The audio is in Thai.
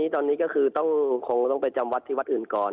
ตอนนี้ก็คือคงต้องไปจำวัดที่วัดอื่นก่อน